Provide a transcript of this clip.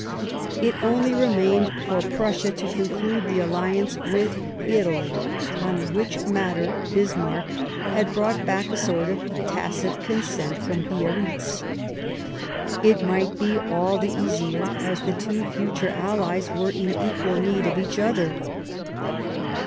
It only remained for Prussia to conclude the Alliance with Italy, on which matter Bismarck had brought back a sort of tacit consent The Italo from Biarritz. It might be all the easier Alliance. ^.s the two future Allies were in equal need of each other.